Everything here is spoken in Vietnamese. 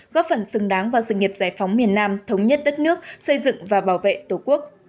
góp phần xứng đáng vào sự nghiệp giải phóng miền nam thống nhất đất nước xây dựng và bảo vệ tổ quốc